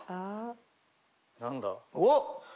何だ？